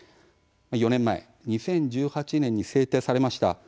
４年前、２０１８年に制定されました